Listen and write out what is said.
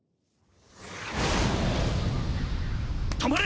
止まれ！！